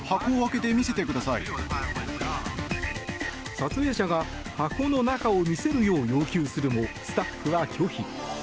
撮影者が箱の中を見せるよう要求するもスタッフは拒否。